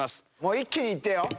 一気に行ってよ。